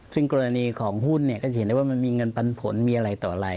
ซึ่งกรณีของหุ้นเนี่ยก็จะเห็นได้ว่ามันมีเงินปันผลมีอะไรต่ออะไร